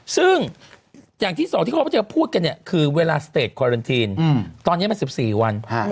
ซึ่งอย่างที่สองที่เขาพูดกันเนี้ยคือเวลาอืมตอนเนี้ยมันสิบสี่วันฮ่า